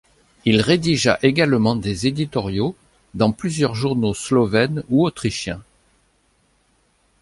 Il rédigea également des éditoriaux dans plusieurs journaux slovènes ou autrichiens.